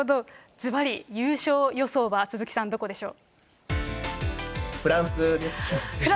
ずばり、優勝予想は鈴木さん、どこでしょう？